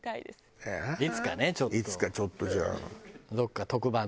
いつかちょっとじゃあ。